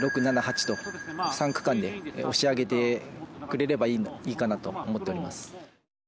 ６、７、８と３区間で押し上げてくれればいいかなと思っております。